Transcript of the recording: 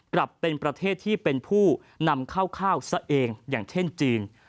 กลับเป็นประเทศที่เป็นผู้นำข้าวข้าวซะเองอย่างเช่นจีน